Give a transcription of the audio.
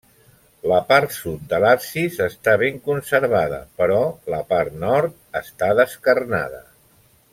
La part sud de l'absis està ben conservada, però la part nord està descarnada.